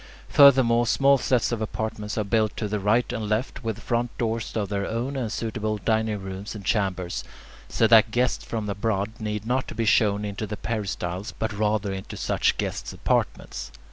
Furthermore, small sets of apartments are built to the right and left, with front doors of their own and suitable dining rooms and chambers, so that guests from abroad need not be shown into the peristyles, but rather into such guests' apartments.